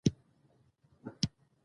ښتې د افغانستان د بشري فرهنګ برخه ده.